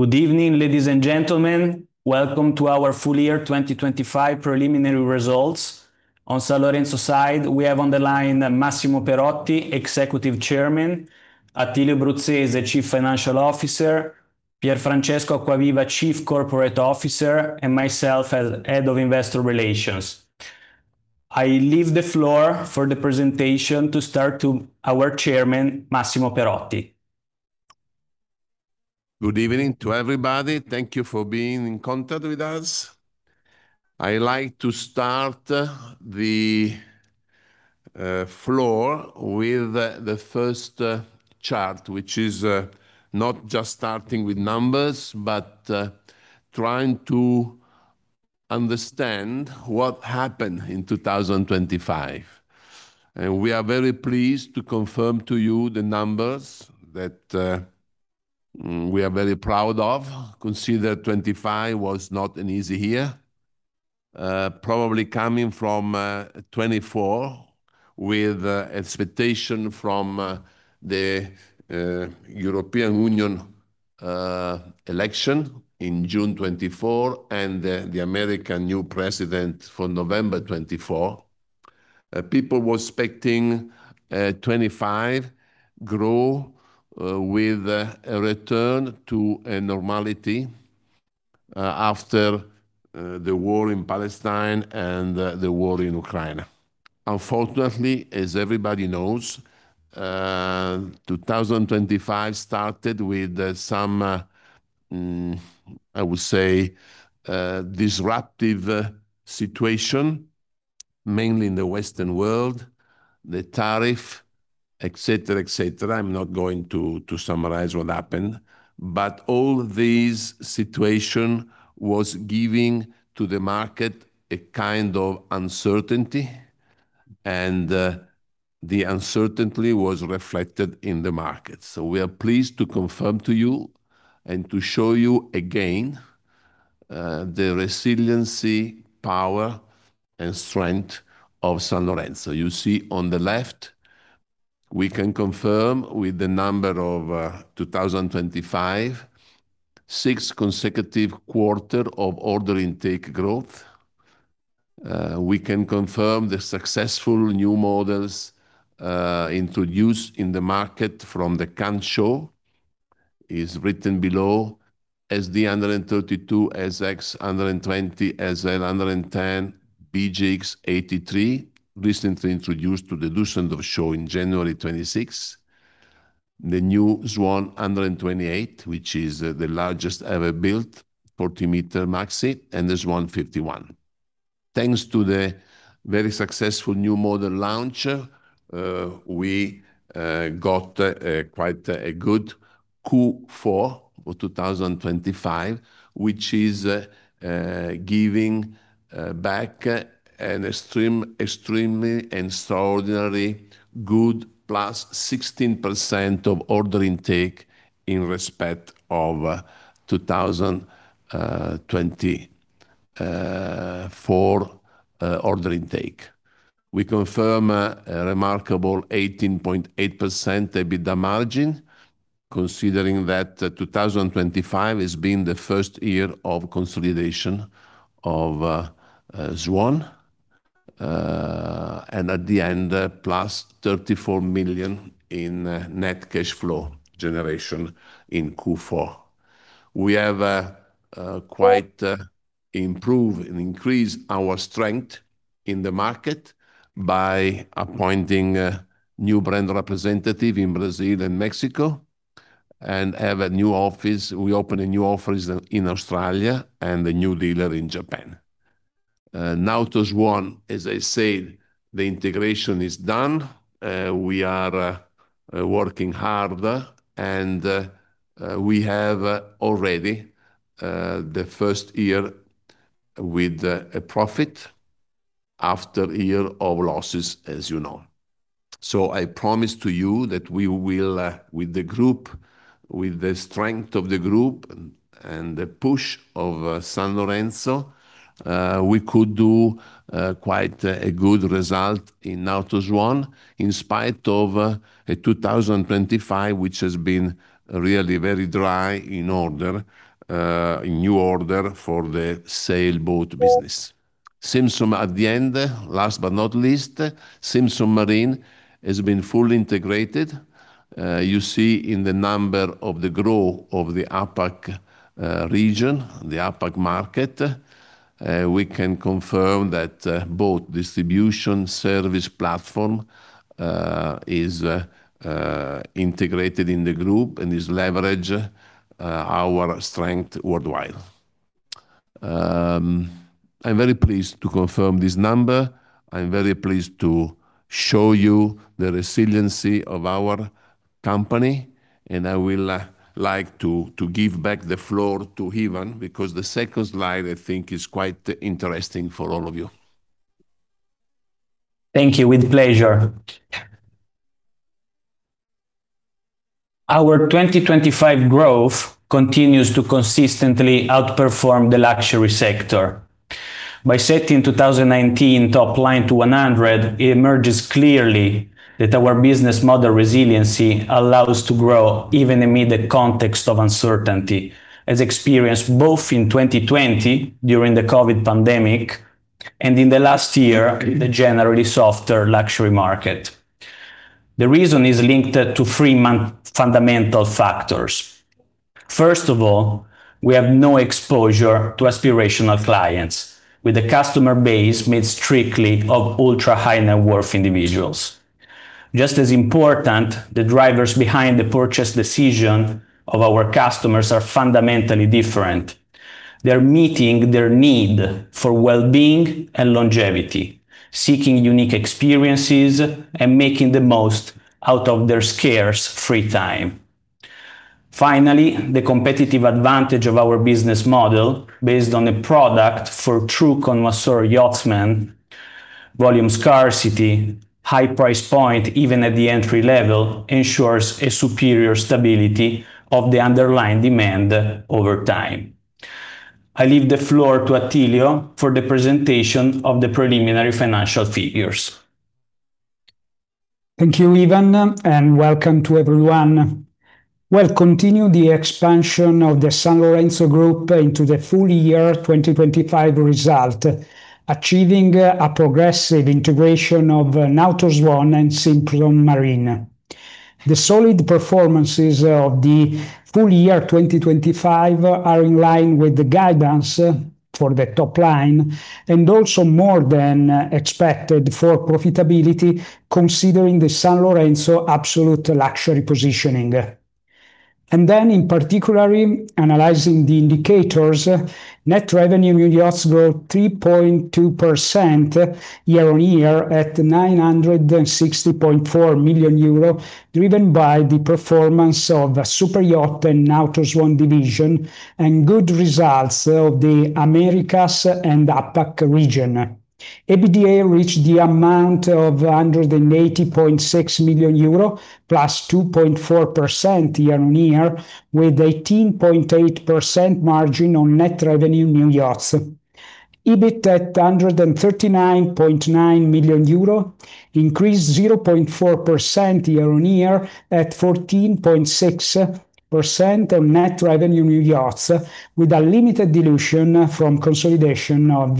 Good evening, ladies and gentlemen. Welcome to our full year 2025 preliminary results. On Sanlorenzo's side, we have on the line Massimo Perotti, Executive Chairman, Attilio Bruzzese, the Chief Financial Officer, Pier Francesco Acquaviva, Chief Corporate Officer, and myself as Head of Investor Relations. I leave the floor for the presentation to start to our chairman, Massimo Perotti. Good evening to everybody. Thank you for being in contact with us. I like to start the floor with the first chart, which is not just starting with numbers, but trying to understand what happened in 2025. We are very pleased to confirm to you the numbers that we are very proud of, consider 2025 was not an easy year. Probably coming from 2024 with expectation from the European Union election in June 2024, and the American new president for November 2024. People was expecting 2025 grow with a return to a normality after the war in Palestine and the war in Ukraine. Unfortunately, as everybody knows, 2025 started with some, I would say, disruptive situation, mainly in the Western world, the tariff, et cetera, et cetera. I'm not going to to summarize what happened, but all these situation was giving to the market a kind of uncertainty, and the uncertainty was reflected in the market. So we are pleased to confirm to you and to show you again the resiliency, power, and strength of Sanlorenzo. You see on the left, we can confirm with the number of 2025, six consecutive quarter of order intake growth. We can confirm the successful new models introduced in the market from the Cannes show, is written below: SD132, SX120, SL110A, BGX83, recently introduced to the Düsseldorf show in January 2026. The new Swan 128, which is the largest ever built, 40-meter maxi, and the Swan 51. Thanks to the very successful new model launch, we got quite a good Q4 of 2025, which is giving back an extremely extraordinary good +16% of order intake in respect of 2024 order intake. We confirm a remarkable 18.8% EBITDA margin, considering that 2025 has been the first year of consolidation of Swan. At the end, plus 34 million in net cash flow generation in Q4. We have quite improved and increased our strength in the market by appointing a new brand representative in Brazil and Mexico, and have a new office. We opened a new office in Australia, and a new dealer in Japan. Nautor Swan, as I said, the integration is done. We are working harder, and we have already the first year with a profit after year of losses, as you know. So I promise to you that we will, with the group, with the strength of the group and, and the push of, Sanlorenzo, we could do quite a good result in Nautor Swan, in spite of a 2025, which has been really very dry in order, in new order for the sailboat business. Simpson Marine at the end, last but not least, Simpson Marine has been fully integrated. You see in the number of the growth of the APAC region, the APAC market, we can confirm that both distribution service platform is integrated in the group and is leverage our strength worldwide. I'm very pleased to confirm this number. I'm very pleased to show you the resiliency of our company, and I will like to give back the floor to Ivan, because the second slide, I think, is quite interesting for all of you. Thank you. With pleasure. Our 2025 growth continues to consistently outperform the luxury sector. By setting 2019 top line to 100, it emerges clearly that our business model resiliency allows to grow even amid the context of uncertainty, as experienced both in 2020 during the COVID pandemic and in the last year, in the generally softer luxury market. The reason is linked to three main fundamental factors. First of all, we have no exposure to aspirational clients, with a customer base made strictly of ultra-high-net-worth individuals. Just as important, the drivers behind the purchase decision of our customers are fundamentally different. They're meeting their need for well-being and longevity, seeking unique experiences, and making the most out of their scarce free time. Finally, the competitive advantage of our business model, based on a product for true connoisseur yachtsman, volume scarcity, high price point, even at the entry level, ensures a superior stability of the underlying demand over time. I leave the floor to Attilio for the presentation of the preliminary financial figures. Thank you, Ivan, and welcome to everyone. We'll continue the expansion of the Sanlorenzo Group into the full year 2025 result, achieving a progressive integration of Nautor Swan and Simpson Marine. The solid performances of the full year 2025 are in line with the guidance for the top line, and also more than expected for profitability, considering the Sanlorenzo absolute luxury positioning. Then, in particular, analyzing the indicators, net revenue in yachts grew 3.2% year-on-year, at 960.4 million euro, driven by the performance of the superyacht and Nautor Swan division, and good results of the Americas and APAC region. EBITDA reached the amount of 180.6 million euro, +2.4% year-on-year, with 18.8% margin on net revenue new yachts. EBIT at 139.9 million euro, increased 0.4% year-on-year, at 14.6% on net revenue new yachts, with a limited dilution from consolidation of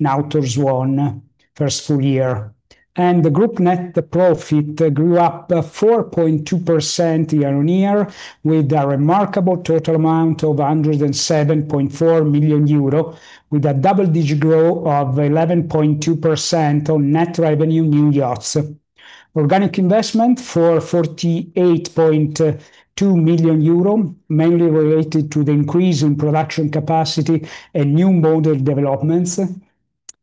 Nautor Swan first full year. The group net profit grew up 4.2% year-on-year, with a remarkable total amount of 107.4 million euro, with a double-digit growth of 11.2% on net revenue new yachts. Organic investment for 48.2 million euro, mainly related to the increase in production capacity and new model developments,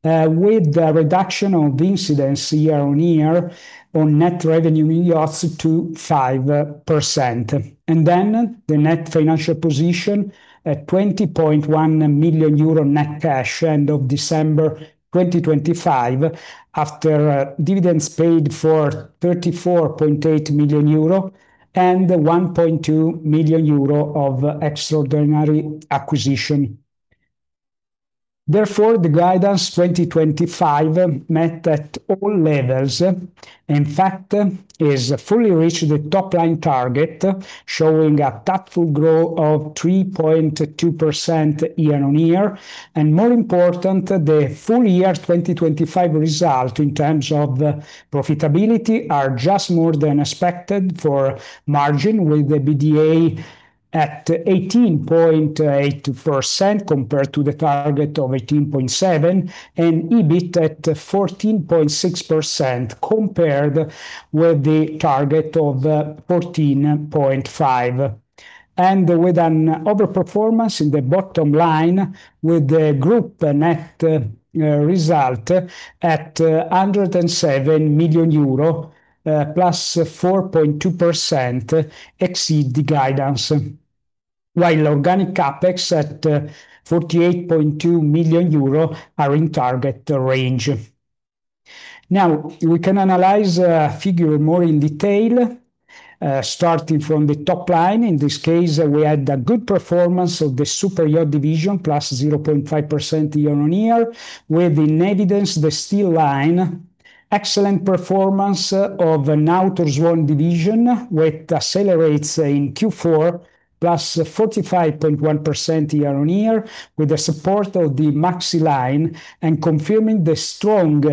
with the reduction of the incidence year-on-year on net revenue in yachts to 5%. Then the net financial position at 20.1 million euro net cash, end of December 2025, after dividends paid for 34.8 million euro and 1.2 million euro of extraordinary acquisition. Therefore, the guidance 2025 met at all levels. In fact, is fully reached the top-line target, showing a thoughtful growth of 3.2% year-on-year. And more important, the full year 2025 result in terms of the profitability are just more than expected for margin, with the EBITDA at 18.8%, compared to the target of 18.7, and EBIT at 14.6%, compared with the target of 14.5%. And with an overperformance in the bottom line, with the group net result at EUR 107 million, +4.2% exceed the guidance, while organic CapEx at 48.2 million euro are in target range. Now, we can analyze figure more in detail, starting from the top line. In this case, we had a good performance of the Superyacht Division, +0.5% year-on-year, with in evidence the steel line. Excellent performance of Nautor Swan division, which accelerates in Q4, +45.1% year-on-year, with the support of the maxi line and confirming the strong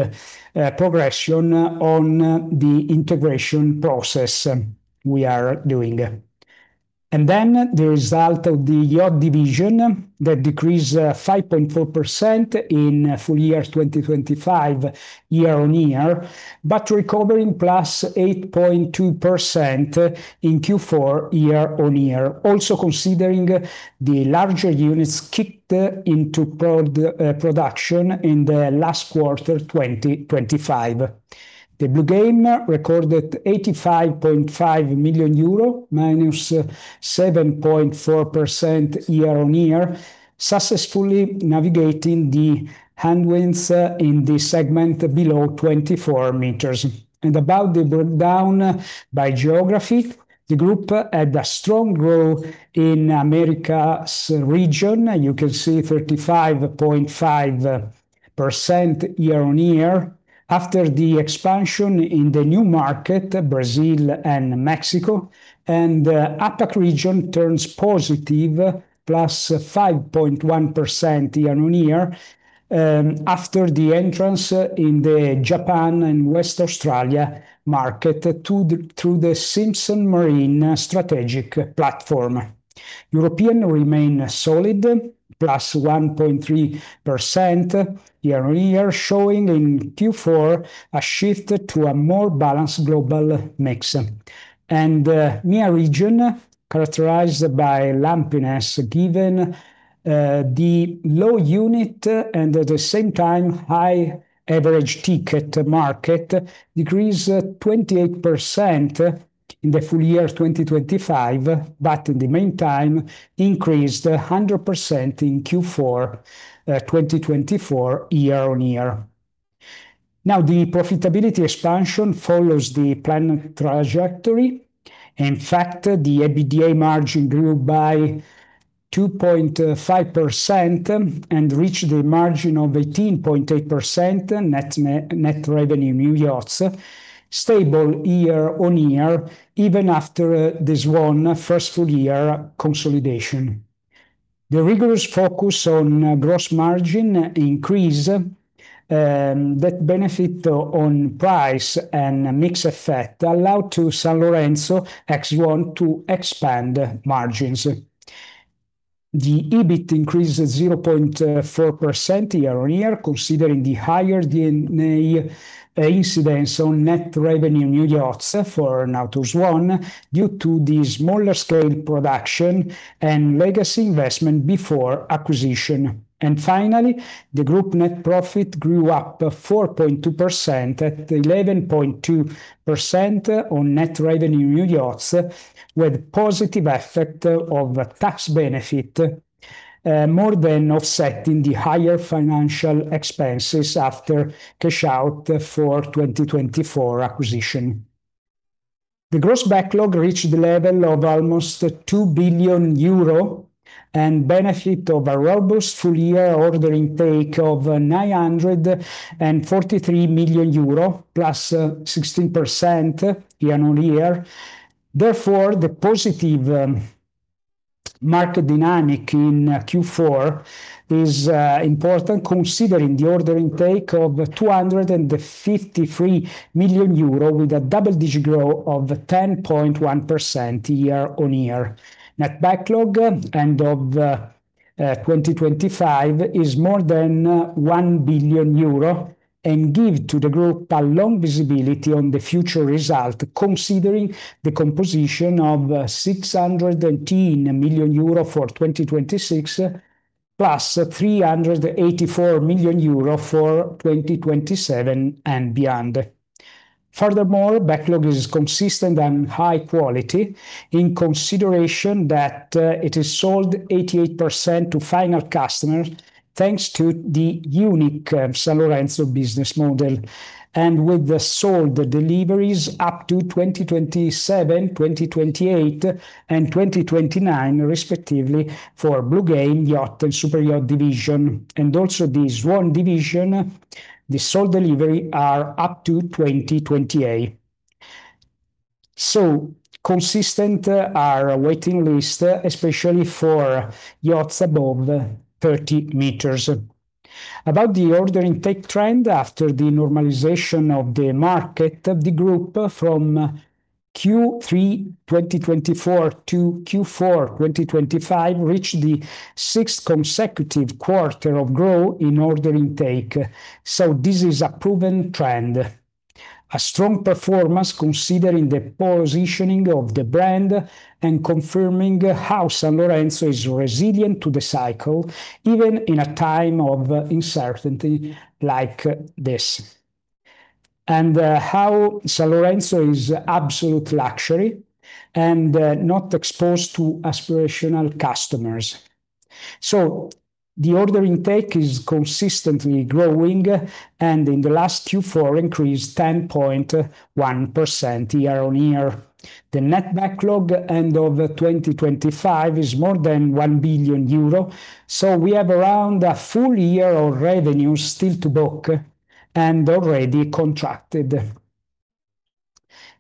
progression on the integration process we are doing. And then the result of the Yacht Division, that decreased 5.4% in full year 2025, year-on-year, but recovering +8.2% in Q4, year-on-year. Also, considering the larger units kicked into production in the last quarter, 2025. The Bluegame recorded EUR 85.5 million, -7.4% year-on-year, successfully navigating the headwinds in the segment below 24 meters. And about the breakdown by geography, the group had a strong growth in Americas region. You can see 35.5% year-on-year after the expansion in the new market, Brazil and Mexico, and APAC region turns positive, +5.1% year-on-year, after the entrance in the Japan and West Australia market to the, through the Simpson Marine strategic platform. Europe remains solid, +1.3% year-on-year, showing in Q4 a shift to a more balanced global mix. EMEA region, characterized by lumpiness, given the low unit and at the same time, high average ticket market, decreased 28% in the full year 2025, but in the meantime, increased 100% in Q4 2024 year-on-year. Now, the profitability expansion follows the planned trajectory. In fact, the EBITDA margin grew by 2.5% and reached the margin of 18.8% net, net, net revenue new yachts, stable year-on-year, even after the Swan first full year consolidation. The rigorous focus on gross margin increase that benefit on price and mix effect allowed Sanlorenzo to expand margins. The EBIT increases 0.4% year-on-year, considering the higher than the incidence on net revenue new yachts for Nautor Swan, due to the smaller scale production and legacy investment before acquisition. And finally, the group net profit grew up to 4.2% at 11.2% on net revenue new yachts, with positive effect of a tax benefit more than offsetting the higher financial expenses after cash out for 2024 acquisition. The gross backlog reached the level of almost 2 billion euro and benefit of a robust full year ordering take of 943 million euro, +16% year-on-year. Therefore, the positive market dynamic in Q4 is important, considering the ordering take of 253 million euro, with a double-digit growth of 10.1% year-on-year. Net backlog end of 2025 is more than 1 billion euro and give to the group a long visibility on the future result, considering the composition of 616 million euro for 2026, plus 384 million euro for 2027 and beyond. Furthermore, backlog is consistent and high quality in consideration that it is sold 88% to final customers, thanks to the unique Sanlorenzo business model, and with the sold deliveries up to 2027, 2028 and 2029, respectively, for Bluegame, Yacht and Superyacht Division, and also the Swan Division, the sold deliveries are up to 2028. So consistent are waiting lists, especially for yachts above 30 meters. About the order intake trend after the normalization of the market of the group from Q3 2024 to Q4 2025, reached the sixth consecutive quarter of growth in order intake. So this is a proven trend. A strong performance, considering the positioning of the brand and confirming how Sanlorenzo is resilient to the cycle, even in a time of uncertainty like this. how Sanlorenzo is absolute luxury and not exposed to aspirational customers. So the order intake is consistently growing, and in the last Q4, increased 10.1% year-on-year. The net backlog end of 2025 is more than 1 billion euro, so we have around a full year of revenue still to book and already contracted.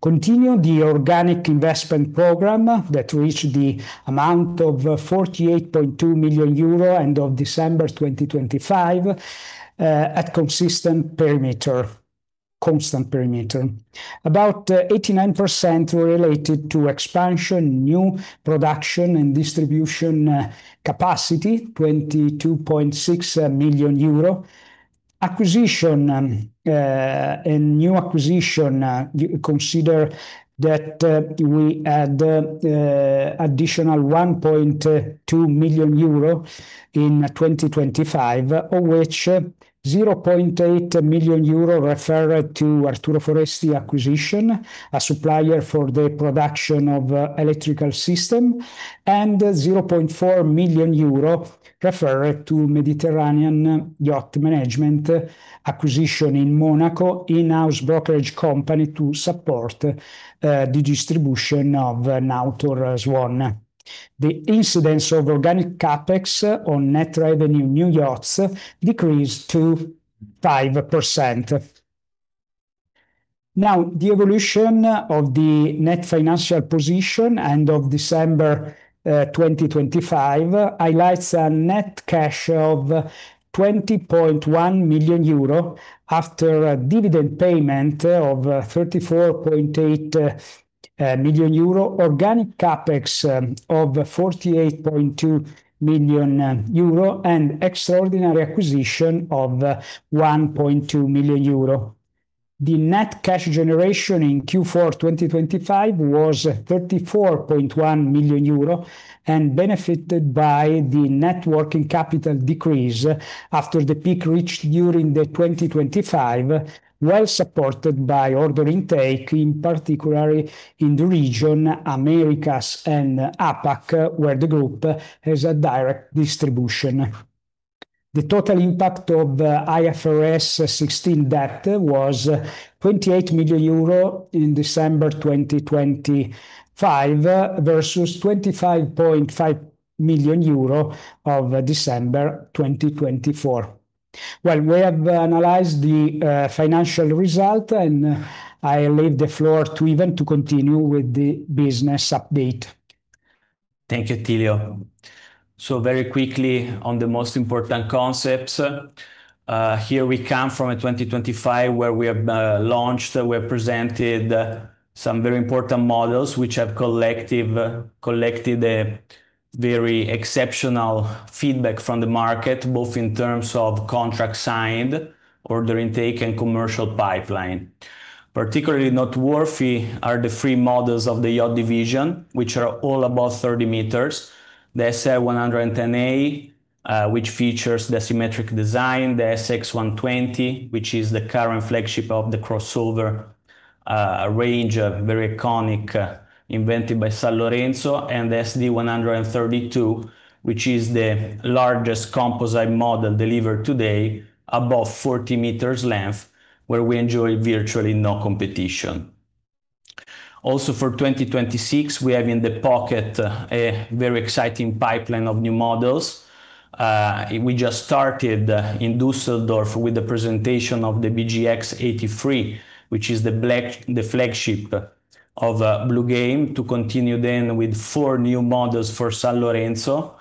Continue the organic investment program that reached the amount of 48.2 million euro end of December 2025 at constant perimeter. About 89% related to expansion, new production, and distribution capacity, EUR 22.6 million. Acquisition, and new acquisition, you consider that, we add, additional 1.2 million euro in 2025, of which 0.8 million euro referred to Arturo Foresti acquisition, a supplier for the production of, electrical system, and 0.4 million euro referred to Mediterranean Yacht Management acquisition in Monaco, in-house brokerage company to support, the distribution of Nautor Swan. The incidence of organic CapEx on net revenue new yachts decreased to 5%. Now, the evolution of the net financial position and of December 2025 highlights a net cash of 20.1 million euro after a dividend payment of 34.8 million euro, organic CapEx of 48.2 million euro, and extraordinary acquisition of 1.2 million euro. The net cash generation in Q4 2025 was 34.1 million euro, and benefited by the net working capital decrease after the peak reached during the 2025, well supported by order intake, in particularly in the region, Americas and APAC, where the group has a direct distribution. The total impact of IFRS 16 debt was 28 million euro in December 2025, versus 25.5 million euro of December 2024. Well, we have analyzed the financial result, and I leave the floor to Ivan to continue with the business update. Thank you, Attilio. So very quickly on the most important concepts. Here we come from a 2025, where we have launched, we have presented some very important models, which have collected a very exceptional feedback from the market, both in terms of contract signed, order intake, and commercial pipeline. Particularly noteworthy are the three models of the yacht division, which are all above 30 meters. The SL110A, which features the symmetric design, the SX120, which is the current flagship of the crossover range, a very iconic, invented by Sanlorenzo, and the SD132, which is the largest composite model delivered today, above 40 meters length, where we enjoy virtually no competition. Also, for 2026, we have in the pocket a very exciting pipeline of new models. We just started in Düsseldorf with the presentation of the BGX83, which is the flagship of Bluegame, to continue then with four new models for Sanlorenzo,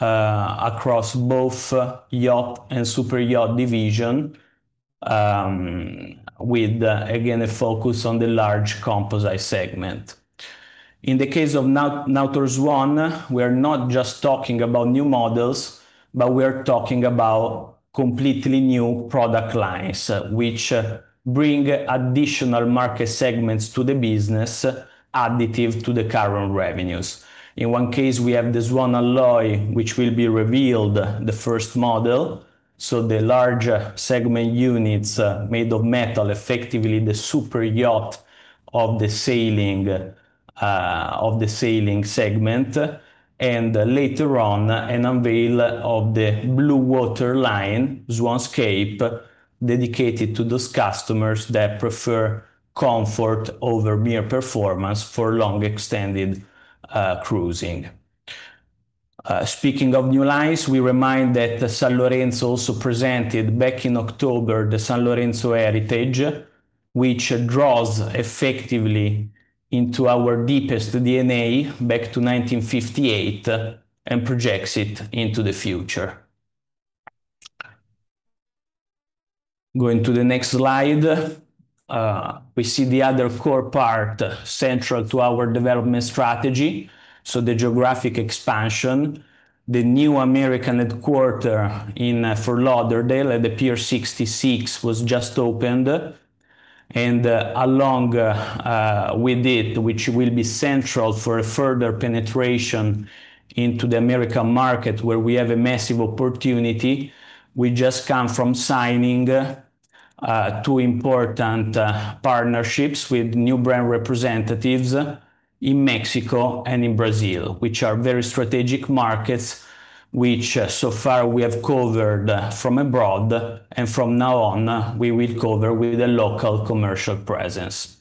across both yacht and superyacht division, with again, a focus on the large composite segment. In the case of Nautor Swan, we are not just talking about new models, but we are talking about completely new product lines, which bring additional market segments to the business, additive to the current revenues. In one case, we have the Swan Alloy, which will be revealed, the first model, so the larger segment units, made of metal, effectively the superyacht of the sailing, of the sailing segment, and later on, an unveil of the Blue Water line, SwanScape, dedicated to those customers that prefer comfort over mere performance for long, extended, cruising. Speaking of new lines, we remind that the Sanlorenzo also presented back in October, the Sanlorenzo Heritage, which draws effectively into our deepest DNA back to 1958, and projects it into the future. Going to the next slide, we see the other core part central to our development strategy, so the geographic expansion. The new American headquarters in Fort Lauderdale at the Pier 66 was just opened, and, along with it, which will be central for a further penetration into the American market, where we have a massive opportunity. We just come from signing two important partnerships with new brand representatives in Mexico and in Brazil, which are very strategic markets, which so far we have covered from abroad, and from now on, we will cover with a local commercial presence.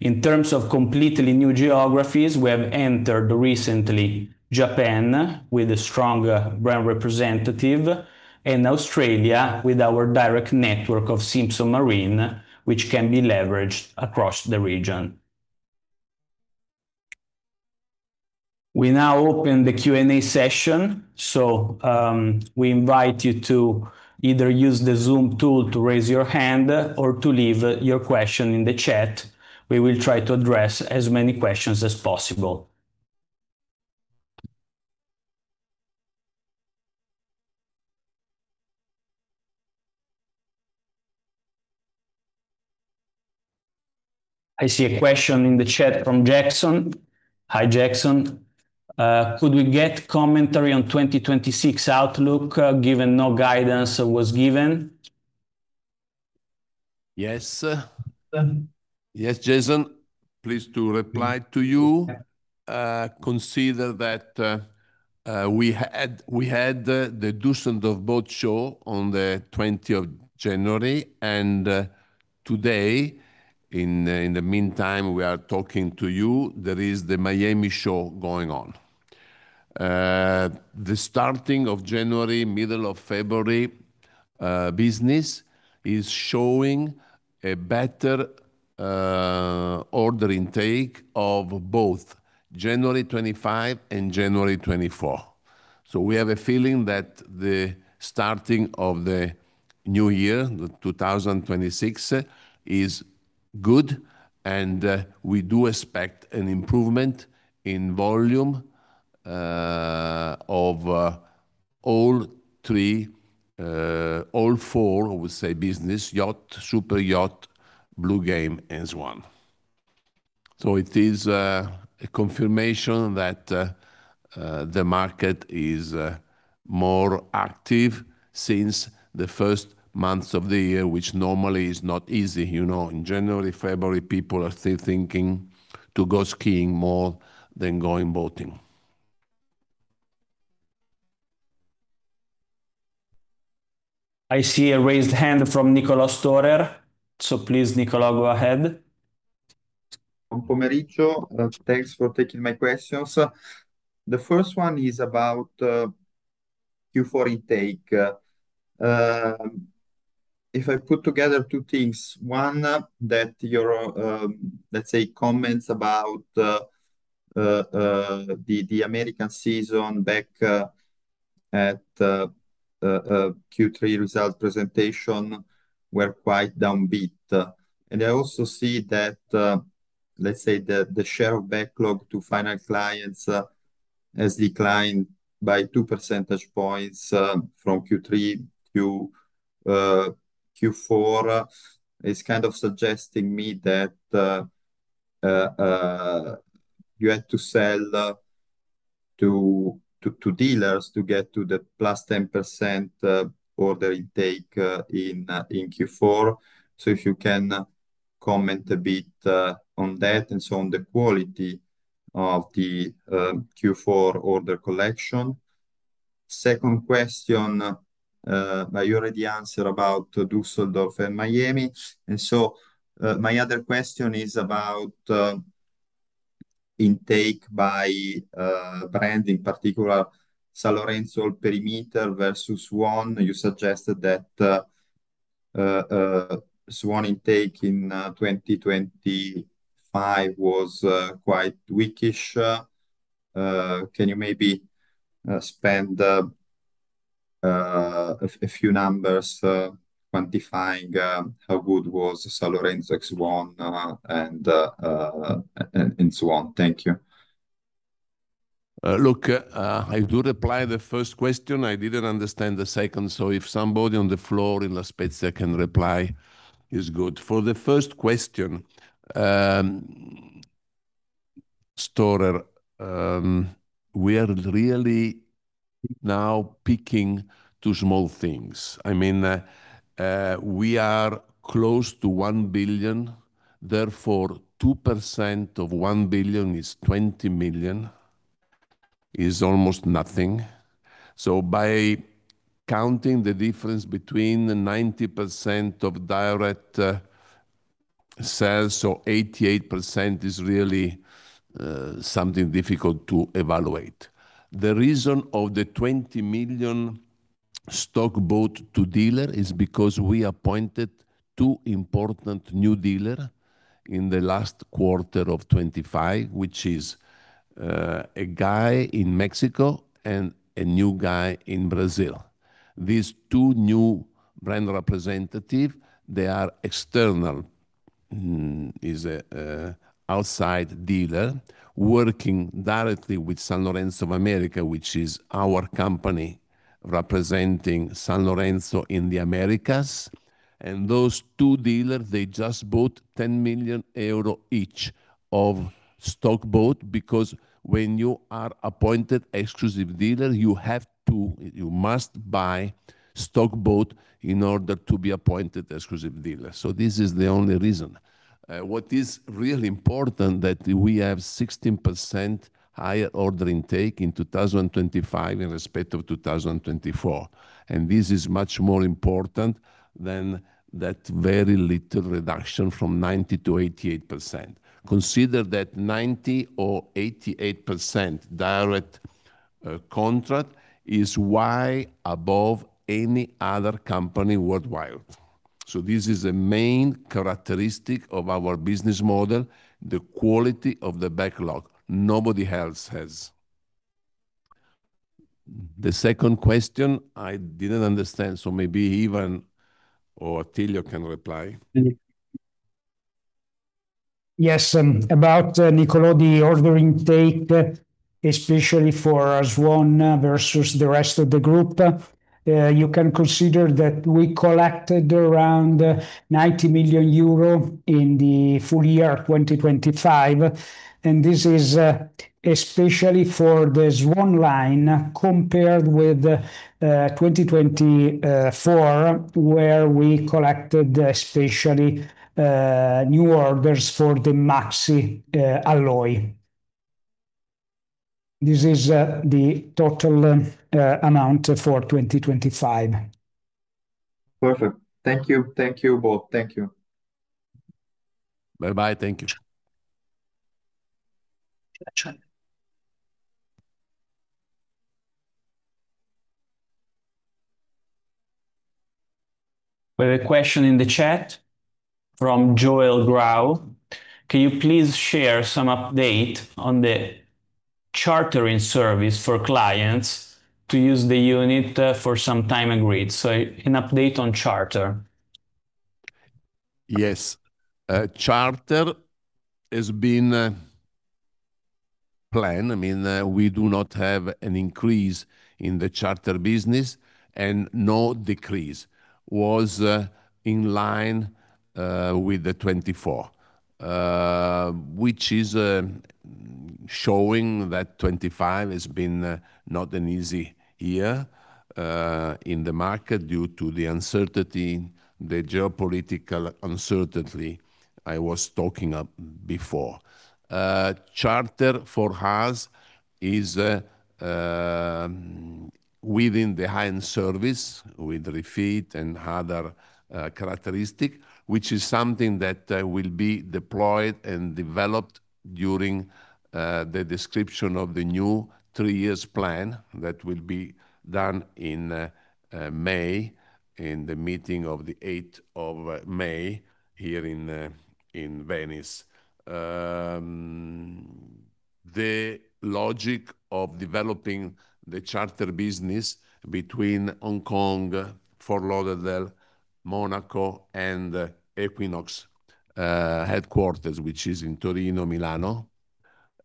In terms of completely new geographies, we have entered recently Japan, with a stronger brand representative, and Australia, with our direct network of Simpson Marine, which can be leveraged across the region. We now open the Q&A session, so, we invite you to either use the Zoom tool to raise your hand or to leave your question in the chat. We will try to address as many questions as possible. I see a question in the chat from Jackson. Hi, Jackson. "Could we get commentary on 2026 outlook, given no guidance was given? Yes, yes, Jackson. Pleased to reply to you. Consider that we had the Düsseldorf Boat Show on the twentieth of January, and today, in the meantime, we are talking to you, there is the Miami show going on. The starting of January, middle of February, business is showing a better order intake of both January 2025 and January 2024. So we have a feeling that the starting of the new year, 2026, is good, and we do expect an improvement in volume of all three, all four, I would say, business: yacht, superyacht, Bluegame, and Swan. So it is a confirmation that the market is more active since the first months of the year, which normally is not easy. You know, in January, February, people are still thinking to go skiing more than going boating. I see a raised hand from Niccolò Storer. So please, Nicola, go ahead. Thanks for taking my questions. The first one is about Q4 intake. If I put together two things, one, that your, let's say, comments about the American season back at Q3 result presentation were quite downbeat. And I also see that, let's say, the share of backlog to final clients has declined by 2 percentage points from Q3 to Q4. It's kind of suggesting me that you had to sell to dealers to get to the +10% order intake in Q4. So if you can comment a bit on that, and so on the quality of the Q4 order collection. Second question, you already answered about Düsseldorf and Miami, and so, my other question is about intake by brand, in particular, Sanlorenzo perimeter versus Swan. You suggested that Swan intake in 2025 was quite weakish. Can you maybe spend a few numbers quantifying how good was Sanlorenzo ex Swan, and so on? Thank you. Look, I do reply the first question. I didn't understand the second, so if somebody on the floor in La Spezia can reply, is good. For the first question, Storer, we are really now picking two small things. I mean, we are close to 1 billion, therefore, 2% of 1 billion is 20 million, is almost nothing. So by counting the difference between the 90% of direct sales, so 88% is really something difficult to evaluate. The reason of the 20 million stock boat to dealer is because we appointed two important new dealer in the last quarter of 2025, which is a guy in Mexico and a new guy in Brazil. These two new brand representative, they are external, outside dealer working directly with San Lorenzo of America, which is our company representing Sanlorenzo in the Americas. And those two dealers, they just bought 10 million euro each of stock boat, because when you are appointed exclusive dealer, you have to you must buy stock boat in order to be appointed exclusive dealer. So this is the only reason. What is really important that we have 16% higher order intake in 2025 in respect of 2024, and this is much more important than that very little reduction from 90% to 88%. Consider that 90% or 88% direct contract is way above any other company worldwide. So this is a main characteristic of our business model, the quality of the backlog. Nobody else has. The second question, I didn't understand, so maybe even Attilio can reply. Yes, about Nicola, the order intake, especially for Swan versus the rest of the group, you can consider that we collected around 90 million euro in the full year of 2025, and this is, especially for the Swan line, compared with 2024, where we collected, especially, new orders for the maxi alloy... this is the total amount for 2025. Perfect. Thank you. Thank you both. Thank you. Bye-bye. Thank you. We have a question in the chat from Joel Grau: "Can you please share some update on the chartering service for clients to use the unit, for some time agreed?" So an update on charter. Yes. Charter has been planned. I mean, we do not have an increase in the charter business, and no decrease. Was in line with 2024, which is showing that 2025 has been not an easy year in the market due to the uncertainty, the geopolitical uncertainty I was talking of before. Charter for us is within the high-end service, with refit and other characteristic, which is something that will be deployed and developed during the description of the new 3-year plan that will be done in May, in the meeting of the 8th of May, here in Venice. The logic of developing the charter business between Hong Kong, Fort Lauderdale, Monaco, and the Equinoxe headquarters, which is in Torino, Milano.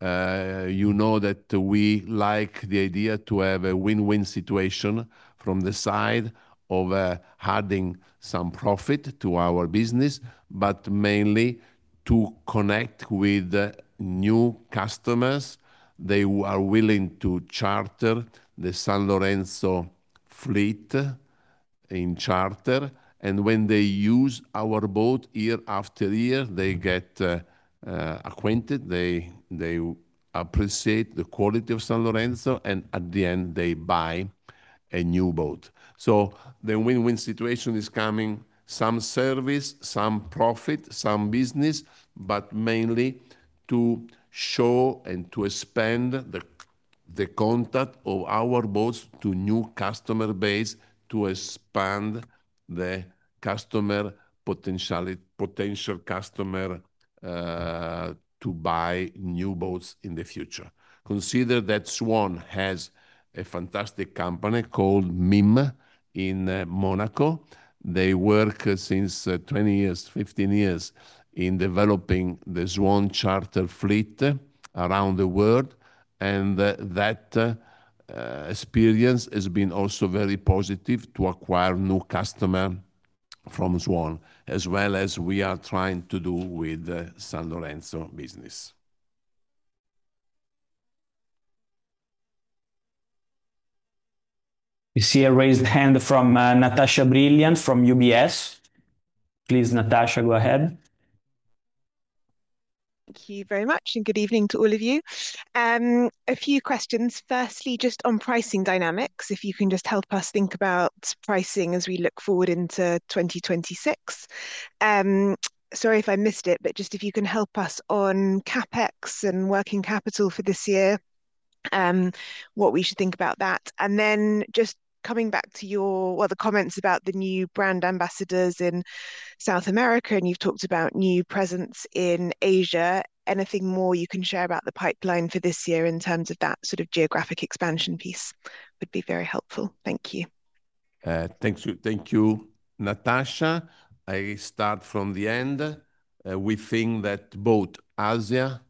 You know that we like the idea to have a win-win situation from the side of adding some profit to our business, but mainly to connect with the new customers. They are willing to charter the Sanlorenzo fleet in charter, and when they use our boat year after year, they get acquainted. They appreciate the quality of Sanlorenzo, and at the end, they buy a new boat. So the win-win situation is coming, some service, some profit, some business, but mainly to show and to expand the contact of our boats to new customer base, to expand the customer potential customer to buy new boats in the future. Consider that Swan has a fantastic company called MYM in Monaco. They work since 20 years, 15 years in developing the Swan charter fleet around the world, and that experience has been also very positive to acquire new customer from Swan, as well as we are trying to do with the Sanlorenzo business. We see a raised hand from, Natasha Brilliant from UBS. Please, Natasha, go ahead. Thank you very much, and good evening to all of you. A few questions. Firstly, just on pricing dynamics, if you can just help us think about pricing as we look forward into 2026. Sorry if I missed it, but just if you can help us on CapEx and working capital for this year, what we should think about that. And then just coming back to your, well, the comments about the new brand ambassadors in South America, and you've talked about new presence in Asia. Anything more you can share about the pipeline for this year in terms of that sort of geographic expansion piece would be very helpful. Thank you. Thank you. Thank you, Natasha. I start from the end. We think that both Asia,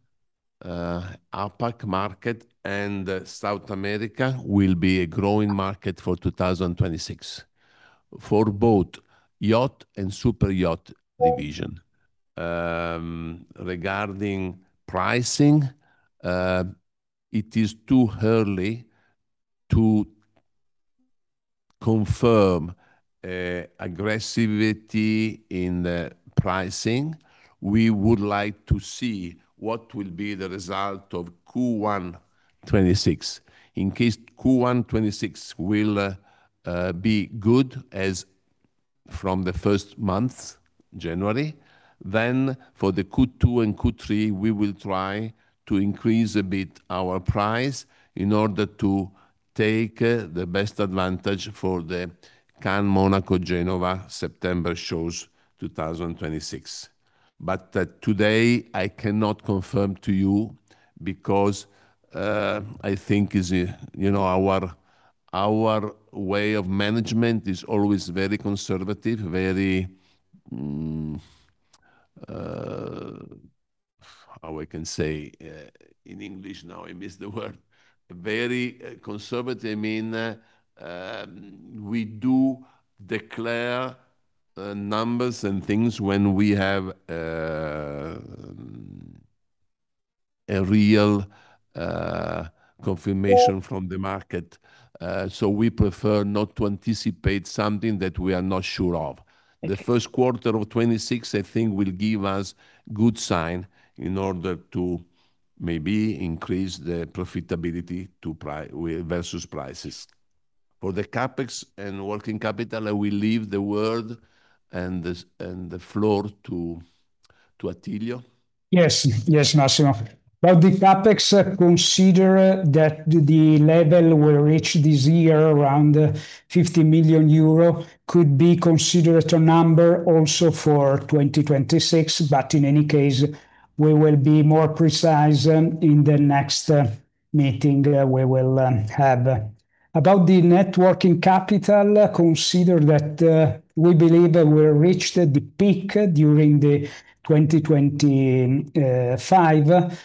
APAC market, and South America will be a growing market for 2026, for both yacht and superyacht division. Regarding pricing, it is too early to confirm aggressivity in the pricing. We would like to see what will be the result of Q1 2026. In case Q1 2026 will be good as from the first month, January, then for the Q2 and Q3, we will try to increase a bit our price in order to take the best advantage for the Cannes, Monaco, Genova, September shows 2026. But today, I cannot confirm to you because I think is, you know, our way of management is always very conservative, very, how I can say in English now? I miss the word. Very conservative, I mean, we do declare numbers and things when we have a real confirmation from the market. So we prefer not to anticipate something that we are not sure of. Okay. The first quarter of 2026, I think, will give us good sign in order to maybe increase the profitability to versus prices. For the CapEx and working capital, I will leave the word and the floor to Attilio. Yes, yes, Massimo. But the CapEx, consider that the level we reached this year, around 50 million euro, could be considered a number also for 2026. But in any case, we will be more precise in the next meeting we will have. About the net working capital, consider that we believe that we reached the peak during 2025.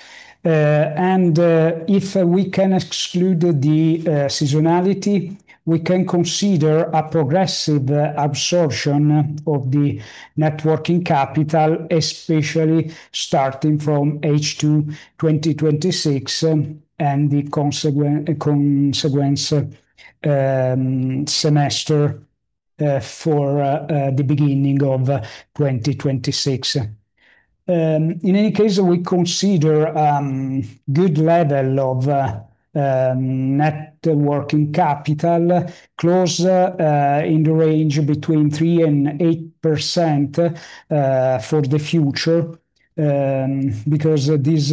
If we can exclude the seasonality, we can consider a progressive absorption of the net working capital, especially starting from H2 2026, and the consequence semester for the beginning of 2026. In any case, we consider good level of net working capital close in the range between 3%-8% for the future, because this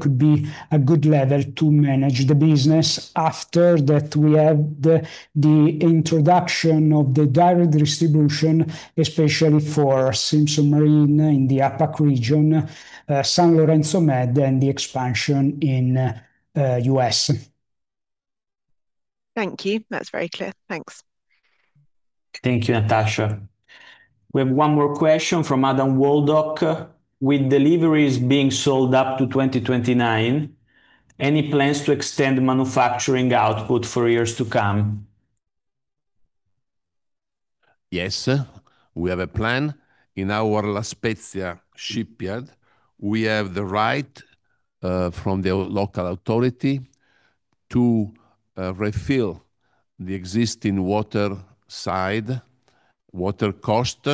could be a good level to manage the business. After that, we have the introduction of the direct distribution, especially for Simpson Marine in the APAC region, Sanlorenzo Med, and the expansion in U.S. Thank you. That's very clear. Thanks. Thank you, Natasha. We have one more question from Adam Waldock: "With deliveries being sold up to 2029, any plans to extend manufacturing output for years to come? Yes, we have a plan. In our La Spezia shipyard, we have the right from the local authority to refill the existing water side, water cost,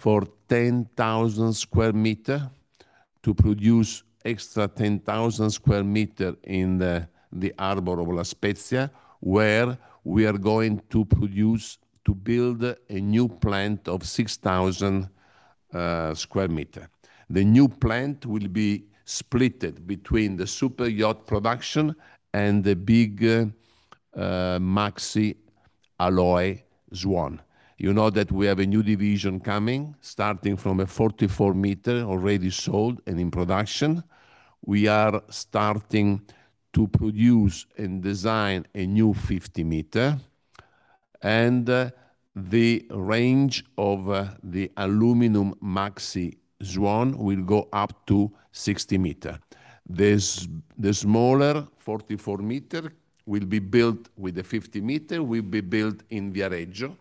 for 10,000 square meters to produce extra 10,000 square meters in the harbor of La Spezia, where we are going to produce to build a new plant of 6,000 square meters. The new plant will be split between the superyacht production and the big maxi alloy Swan. You know that we have a new division coming, starting from a 44-meter, already sold and in production. We are starting to produce and design a new 50-meter, and the range of the aluminum maxi Swan will go up to 60-meter. This, the smaller 44-meter will be built with the 50-meter, will be built in Viareggio,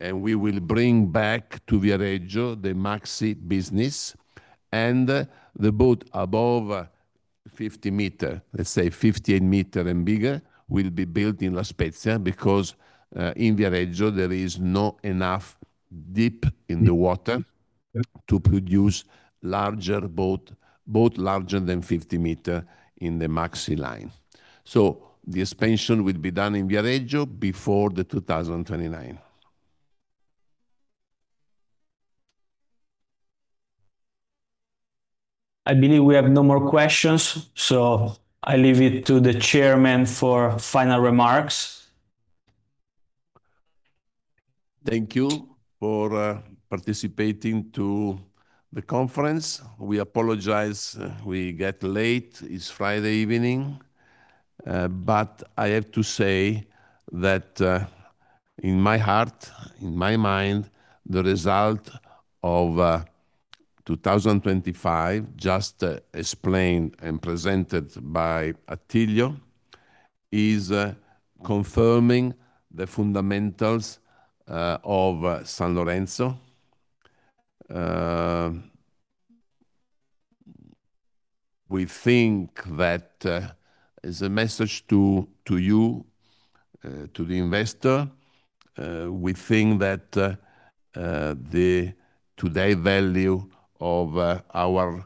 and we will bring back to Viareggio the maxi business. The boat above 50-meter, let's say 58-meter and bigger, will be built in La Spezia, because in Viareggio, there is not enough depth in the water to produce larger boat, boat larger than 50-meter in the maxi line. The expansion will be done in Viareggio before 2029. I believe we have no more questions, so I leave it to the Chairman for final remarks. Thank you for participating to the conference. We apologize, we get late. It's Friday evening. But I have to say that in my heart, in my mind, the result of 2025, just explained and presented by Attilio, is confirming the fundamentals of Sanlorenzo. We think that is a message to you, to the investor. We think that the today value of our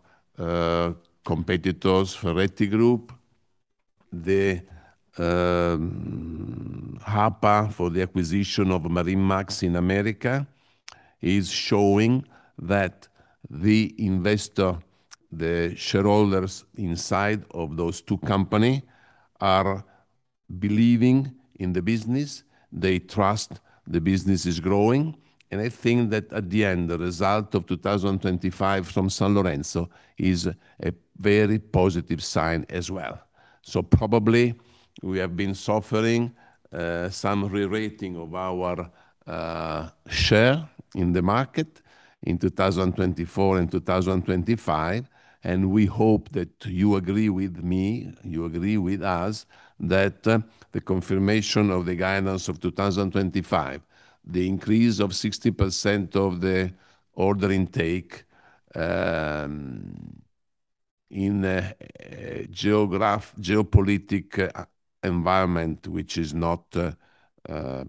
competitors, Ferretti Group, the Harpa, for the acquisition of MarineMax in America, is showing that the investor, the shareholders inside of those two company are believing in the business. They trust the business is growing, and I think that at the end, the result of 2025 from Sanlorenzo is a very positive sign as well. So probably we have been suffering some re-rating of our share in the market in 2024 and 2025, and we hope that you agree with me, you agree with us, that the confirmation of the guidance of 2025, the increase of 60% of the order intake in the geopolitical environment, which is not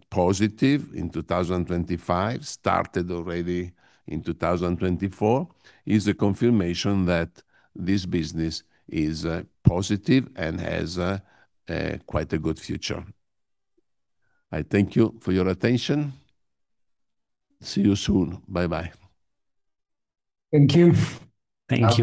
positive in 2025, started already in 2024, is a confirmation that this business is positive and has quite a good future. I thank you for your attention. See you soon. Bye-bye. Thank you. Thank you.